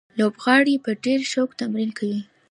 لوبغاړي په ډېر شوق تمرین کوي.